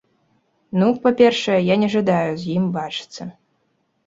Ну, па-першае, я не жадаю з ім бачыцца.